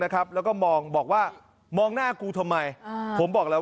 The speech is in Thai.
แล้วก็มองบอกว่ามองหน้ากูทำไมผมบอกแล้ว